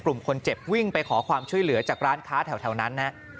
เสียงปืนดังขึ้นกลุ่มคนเจ็บวิ่งไปขอความช่วยเหลือจากร้านค้าแถวนั้น